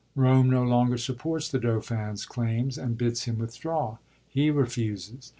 Bome no longer supports the Dauphin's claims, and bids him withdraw. He refuses.